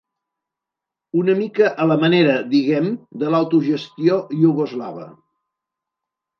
Una mica a la manera, diguem, de l'autogestió iugoslava.